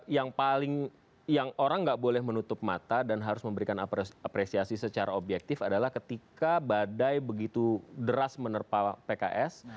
yang paling yang orang nggak boleh menutup mata dan harus memberikan apresiasi secara objektif adalah ketika badai begitu deras menerpa pks